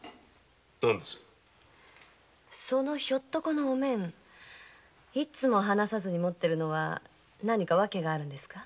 そのヒョットコの面いつも離さずに持っているのは何か訳があるんですか？